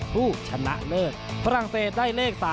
ผู้ชนะเลิศฝรั่งเศสได้เลข๓